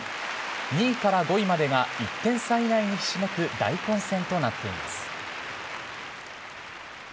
２位から５位までが１点差以内にひしめく大混戦となっています。